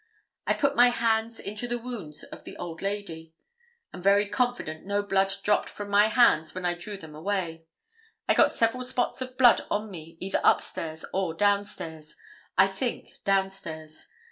I put my hands into the wounds of the old lady; am very confident no blood dropped from my hands when I drew them away; I got several spots of blood on me either upstairs or down stairs—I think down stairs.